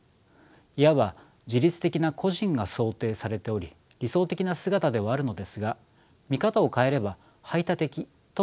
いわば自律的な個人が想定されており理想的な姿ではあるのですが見方を変えれば排他的とも言えます。